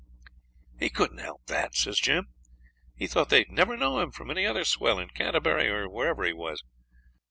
'He couldn't help that,' says Jim; 'he thought they'd never know him from any other swell in Canterbury or wherever he was.